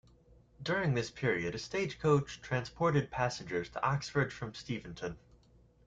During this period a stagecoach transported passengers to Oxford from Steventon.